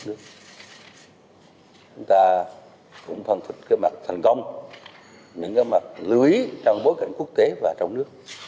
chúng ta cũng phân thích cái mặt thành công những cái mặt lưới trong bối cảnh quốc tế và trong nước